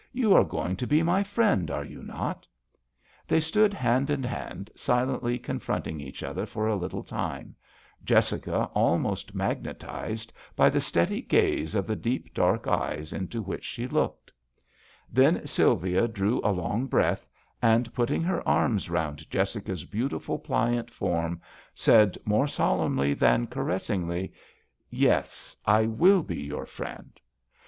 You are going to be my friend, are you not ?" They stood hand in hand silently confronting each other for a little time, Jessica almost magnetized by the steady gaze of the deep dark eyes into which she 76 THE VIOLIN OBBLIGATO. looked. Then Sylvia drew a long breath, and, putting her arms round Jessica's beautiful, pliant form, said more solemnly than caressingly, " Yes, I will be your friend."